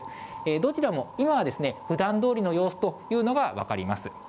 どちらも今はですね、ふだんどおりの様子というのが分かります。